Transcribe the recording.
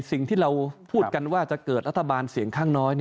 สิ่งที่เราพูดกันว่าจะเกิดรัฐบาลเสียงข้างน้อย